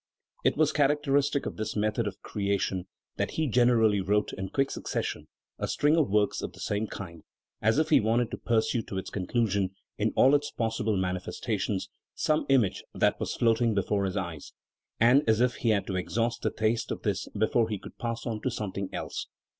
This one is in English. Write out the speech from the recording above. It was characteristic of his method of creation that he generally wrote in quick succession a string of works of the same kind, as if he wanted to pursue to its conclusion, in all its possible manifestations, some image that was floating before his eyes, and as if he had to exhaust the taste of this before he could pass on to something else.